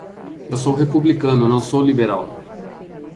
Eu sou republicano, não sou liberal.